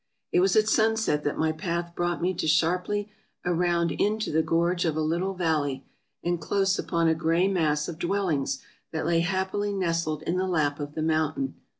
It was at sunset that my path brought me sharply around into the gorge of a little valley, and close upon a gray mass of dwellings that lay happily nestled in the lap of the mountain.